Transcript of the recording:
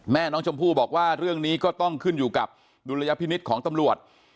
แม่น้องชมพู่บอกว่าเรื่องนี้ก็ต้องขึ้นอยู่กับดุลยพินิษฐ์ของตำรวจ